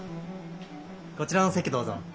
こちらの席どうぞ。